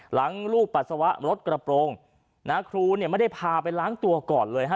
หลังลูกปัสสาวะรถกระโปรงนาครูไม่ได้พาไปล้างตัวก่อนเลย